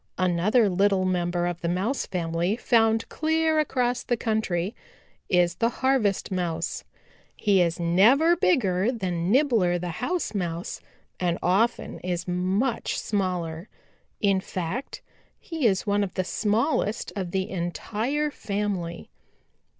"Another little member of the Mouse family found clear across the country is the Harvest Mouse. He is never bigger than Nibbler the House Mouse and often is much smaller. In fact, he is one of the smallest of the entire family.